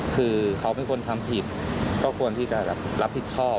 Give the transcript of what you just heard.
เขาเป็นคนทำผิดว่าตกลงก็ควรที่จะรับพิษชอบ